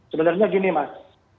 sebenarnya gini mas